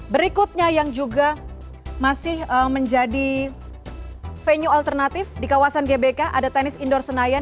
berikutnya yang juga masih menjadi venue alternatif di kawasan gbk ada tenis indoor senayan